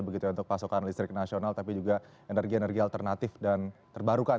begitu ya untuk pasokan listrik nasional tapi juga energi energi alternatif dan terbarukan